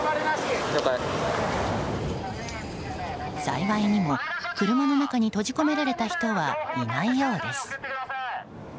幸いにも車の中に閉じ込められた人はいないようです。